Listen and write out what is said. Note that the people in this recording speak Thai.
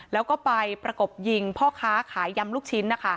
แล้วก็ไปประกบยิงพ่อค้าขายยำลูกชิ้นนะคะ